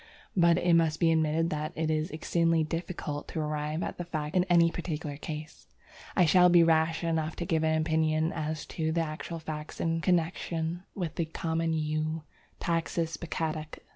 But it must be admitted that it is exceedingly difficult to arrive at the facts in any particular case. I shall be rash enough to give an opinion as to the actual facts in connexion with the common Yew (Taxus baccata).